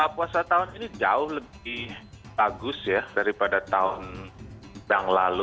puasa tahun ini jauh lebih bagus ya daripada tahun yang lalu